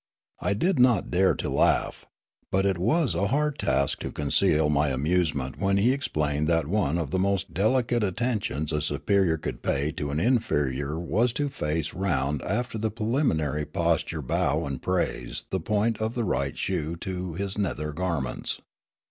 I did not dare to laugh. But it was a hard task to conceal my amusement when he explained that one of the most delicate attentions a superior could pay to an inferior was to face round after the preliminary 34 Riallaro posterior bow and raise the point of the right shoe to his nether garments.